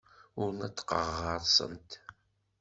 Ur neṭṭqeɣ ɣer-sent.